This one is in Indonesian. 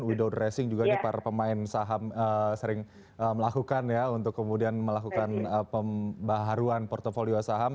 widow dressing juga nih para pemain saham sering melakukan ya untuk kemudian melakukan pembaharuan portfolio saham